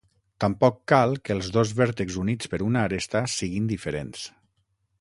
Tampoc cal que els dos vèrtexs units per una aresta siguin diferents.